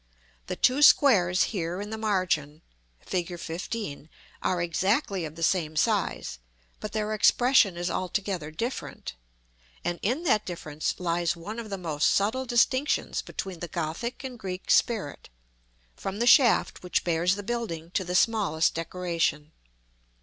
The two squares here in the margin (Fig. XV.) are exactly of the same size, but their expression is altogether different, and in that difference lies one of the most subtle distinctions between the Gothic and Greek spirit, from the shaft, which bears the building, to the smallest decoration.